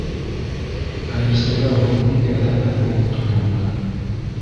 Әлисәгә был бик әҙәпһеҙ булып тойолдо.